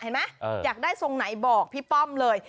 เห็นไหมอยากได้ทรงไหนบอกพี่ป้อมเลย